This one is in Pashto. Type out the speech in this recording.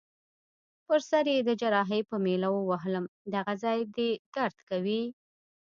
پر سر يي د جراحۍ په میله ووهلم: دغه ځای دي درد کوي؟